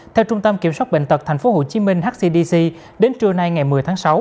theo trung tâm kiểm soát bệnh tật tp hcm hcdc đến trưa nay ngày một mươi tháng sáu